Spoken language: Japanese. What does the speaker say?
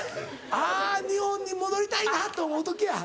「あ日本に戻りたいな」と思う時や。